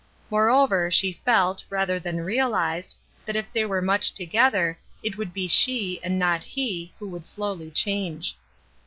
Moreover, she felt, rather than realized, that if they were much together, it would be she, and not he, who would slowly change.